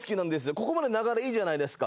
ここまで流れいいじゃないですか。